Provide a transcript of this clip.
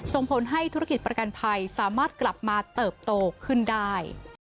ส่งผลให้ธุรกิจประกันภัยสามารถกลับมาเติบโตขึ้นได้